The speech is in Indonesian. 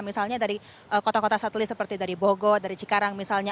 misalnya dari kota kota satelit seperti dari bogor dari cikarang misalnya